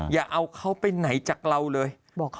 อย่าเอาเขาไปไหนจากเราเลย